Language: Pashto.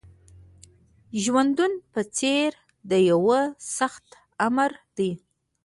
ژوندون په څېر د یوه سخت آمر دی